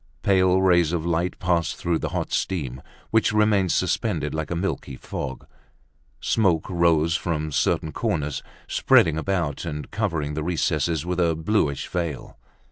Pale rays of light passed through the hot steam, which remained suspended like a milky fog. Smoke arose from certain corners, spreading about and covering the recesses with a bluish veil.